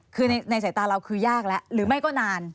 คือในสายตาเราคือยากแล้วหรือไม่ก็นาน